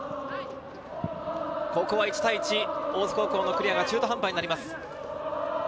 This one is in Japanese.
ここは１対１、大津高校のクリアが中途半端になります。